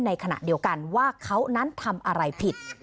ในขณะเดียวกันว่าเขานั้นทำอะไรผิด